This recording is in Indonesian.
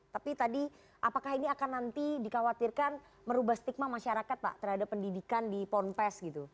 tapi tadi apakah ini akan nanti dikhawatirkan merubah stigma masyarakat pak terhadap pendidikan di ponpes gitu